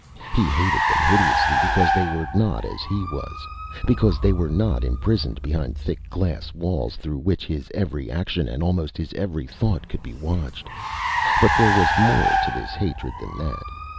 He hated them hideously because they were not as he was; because they were not imprisoned behind thick glass walls through which his every action and almost his every thought could be watched. But there was more to his hatred than that.